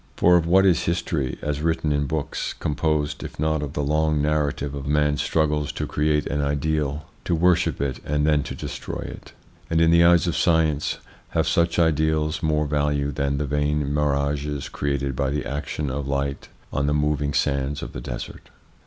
For of what is history, as written in books, composed, if not of the long narrative of man's ITS INFLUENCE ON THEIR EVOLUTION 205 struggles to create an ideal, to worship it, and then to destroy it ? And, in the eyes of science, have such ideals more value than the vain mirages created by the action of light on the moving sands of the desert?